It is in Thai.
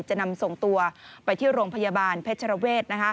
จะนำส่งตัวไปที่โรงพยาบาลเพชรเวศ